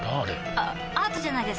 あアートじゃないですか？